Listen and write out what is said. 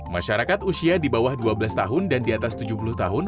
masyarakat usia di bawah dua belas tahun dan di atas tujuh puluh tahun